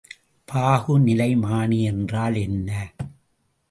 பாகுநிலைமானி என்றால் என்ன?